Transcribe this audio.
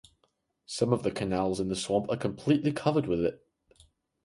Some of the canals in the swamp are completely covered with it.